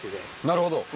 なるほど。